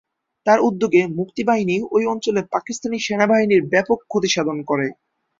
তার উদ্যোগে মুক্তিবাহিনী ঐ অঞ্চলে পাকিস্তানি সেনাবাহিনীর ব্যাপক ক্ষতিসাধন করে।